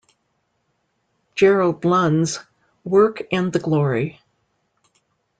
Gerald Lund's "Work and the Glory".